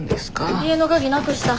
家の鍵なくした。